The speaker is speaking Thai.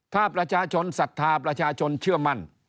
ถ้าประชาชนศรัทธาประชาชนเชื่อมั่น